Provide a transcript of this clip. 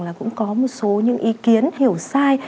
là cũng có một số những ý kiến hiểu sai